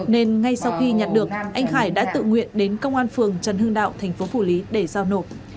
nên ngay sau khi nhặt được anh khải đã tự nguyện đến công an phường trần hưng đạo thành phố phủ lý để giao nộp